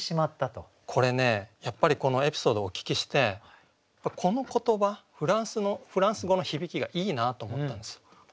これねやっぱりこのエピソードをお聞きしてこの言葉フランス語の響きがいいなと思ったんですよ。